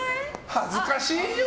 恥ずかしいよ。